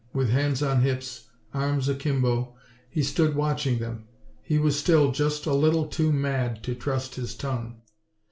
With hands on hips, arms akimbo, he stood watching them. He was still just a little too mad to trust his tongue.